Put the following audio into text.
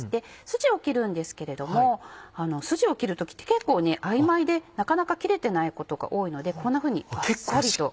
スジを切るんですけれどもスジを切る時って結構曖昧でなかなか切れてないことが多いのでこんなふうにバッサリと。